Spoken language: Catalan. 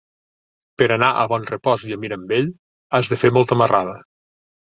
Per anar a Bonrepòs i Mirambell has de fer molta marrada.